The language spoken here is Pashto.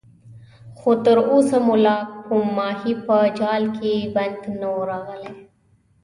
خو تر اوسه مو لا کوم ماهی په جال کې بند نه وو راغلی.